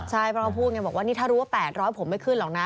ใช่เพราะเขาพูดไงบอกว่านี่ถ้ารู้ว่า๘๐๐ผมไม่ขึ้นหรอกนะ